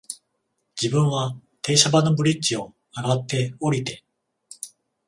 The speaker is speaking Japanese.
自分は停車場のブリッジを、上って、降りて、